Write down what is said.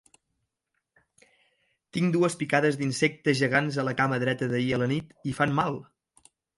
Tinc dues picades d'insecte gegants a la cama dreta d'ahir a la nit, i fan mal!